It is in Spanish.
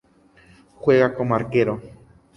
Juega como arquero.